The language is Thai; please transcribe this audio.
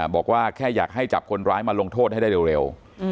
บอกว่าแค่อยากให้จับคนร้ายมาลงโทษให้ได้เร็ว